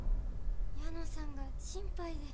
矢野さんが心配で。